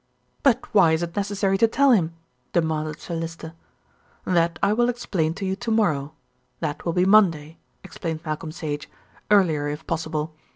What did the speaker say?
"But why is it necessary to tell him?" demanded Sir Lyster. "That I will explain to you to morrow. That will be Monday," explained Malcolm Sage, "earlier if possible.